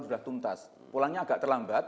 sudah tuntas pulangnya agak terlambat